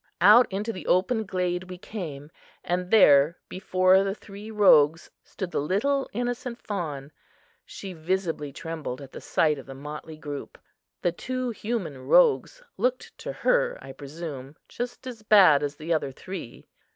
Out into the open glade we came, and there, before the three rogues, stood the little innocent fawn. She visibly trembled at the sight of the motley group. The two human rogues looked to her, I presume, just as bad as the other three.